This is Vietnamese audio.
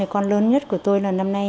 con lớn nhất của tôi là năm nay